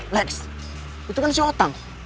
lex itu kan si otang